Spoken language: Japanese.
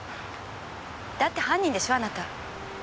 だって犯人でしょあなた？